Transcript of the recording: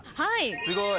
はい。